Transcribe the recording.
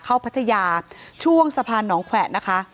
พัทยาช่วงสะพานหนองแขวะนะคะ